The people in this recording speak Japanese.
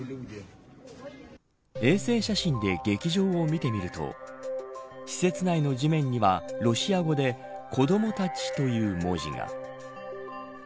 衛星写真で劇場を見てみると施設内の地面にはロシア語で子どもたちという文字が。